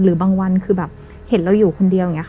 หรือบางวันคือแบบเห็นเราอยู่คนเดียวอย่างเงี้ย